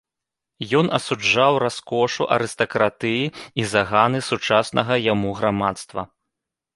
Ён асуджаў раскошу арыстакратыі і заганы сучаснага яму грамадства.